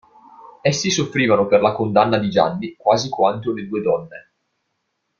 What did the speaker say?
Essi soffrivano per la condanna di Gianni, quasi quanto le due donne.